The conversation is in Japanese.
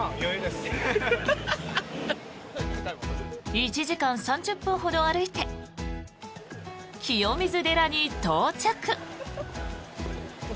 １時間３０分ほど歩いて清水寺に到着。